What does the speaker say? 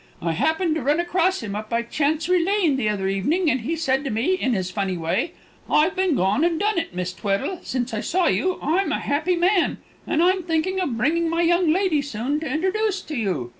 I happened to run across him up by Chancery Lane the other evening, and he said to me, in his funny way, 'I've been and gone and done it, Miss Tweddle, since I saw you. I'm a happy man; and I'm thinking of bringing my young lady soon to introduce to you.'